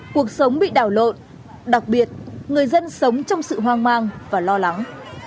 cuộc sống bị đảo lộn đặc biệt người dân sống trong sự hoang mang và lo lắng